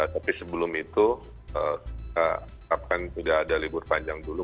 tapi sebelum itu tidak ada libur panjang dulu